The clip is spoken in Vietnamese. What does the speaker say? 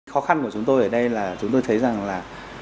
khó khăn của chúng tôi ở đây là chúng tôi thấy rằng là